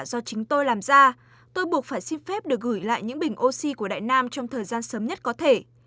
do chính tôi làm ra tôi buộc phải xin phép được gửi lại những bình oxy của đại nam trong thời gian sớm nhất có thể